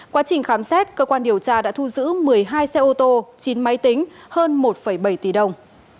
quá trình khám xét cơ quan điều tra đã thu giữ một mươi hai xe ô tô chín máy tính hơn một bảy tỷ đồng